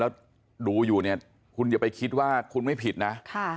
แล้วดูอยู่เนี่ยคุณอย่าไปคิดว่าคุณไม่ผิดนะ